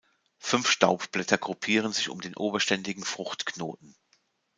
Fünf Staubblätter gruppieren sich um den oberständigen Fruchtknoten.